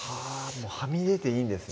もうはみ出ていいんですね